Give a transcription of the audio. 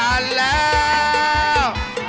๔อันแล้ว